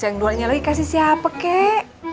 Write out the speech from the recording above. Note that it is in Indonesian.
yang dua lagi kasih siapa kak